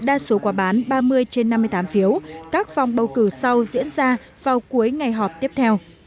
đa số quả bán ba mươi trên năm mươi tám phiếu các vòng bầu cử sau diễn ra vào cuối ngày họp tiếp theo